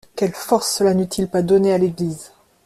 Quelle force cela n'eût-il pas donnée à l'Église.